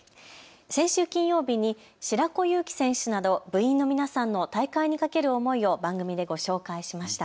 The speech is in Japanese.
先週金曜日に白子悠樹選手など部員の皆さんの大会にかける思いを番組でご紹介しました。